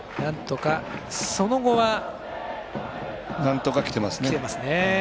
なんとか、その後はなんとか、きてますね。